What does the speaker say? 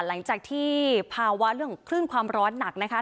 หลังจากที่ภาวะเรื่องของคลื่นความร้อนหนักนะคะ